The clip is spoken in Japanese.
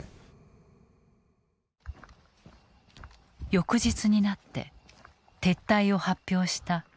翌日になって撤退を発表したロシア軍。